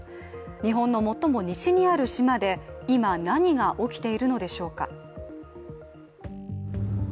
日本の最も西にある島で今、何が起きているのでしょうか。